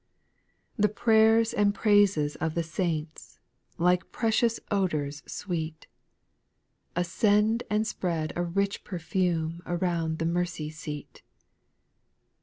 3. The prayers and praises of the saints, Like precious odours sweet, Ascend and spread a rich perfume Around the mercy seat.